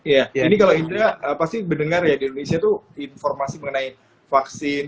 ya ini kalau indra pasti mendengar ya di indonesia tuh informasi mengenai vaksin